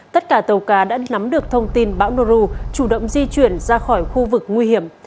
tất cả tàu cá đã nắm được thông tin bão nu chủ động di chuyển ra khỏi khu vực nguy hiểm